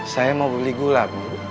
saya ingin membeli gulang bu